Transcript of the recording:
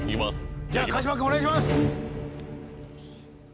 じゃあ川島君お願いします。